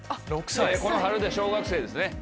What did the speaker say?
この春で小学生ですね。